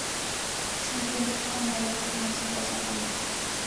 Se encuentra con mayor frecuencia en los arroyos.